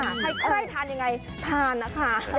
ค่ะใครเคยทานเนี่ยไรทานนะคะ